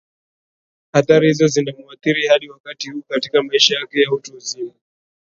athaari hizo zinamuathiri hadi wakati huu katika maisha yake ya utu uzima